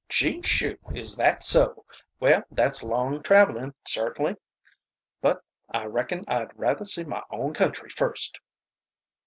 "Gee shoo! is that so! Well, that's long traveling certainly. But I reckon I'd rather see my own country first."